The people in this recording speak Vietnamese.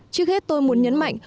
trước hết tôi muốn nhấn mạnh